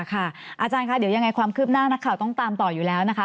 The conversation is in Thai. อาจารย์คะเดี๋ยวยังไงความคืบหน้านักข่าวต้องตามต่ออยู่แล้วนะคะ